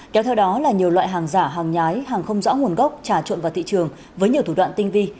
kéo theo đó là nhiều loại hàng giả hàng nhái hàng không rõ nguồn gốc trà trộn vào thị trường với nhiều thủ đoạn tinh vi